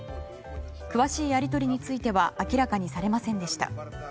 詳しいやり取りについては明らかにされませんでした。